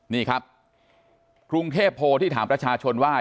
นี่ครับกรุงเทพโพที่ถามประชาชนว่า